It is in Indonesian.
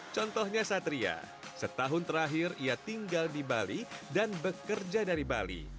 contohnya satria setahun terakhir ia tinggal di bali dan bekerja dari bali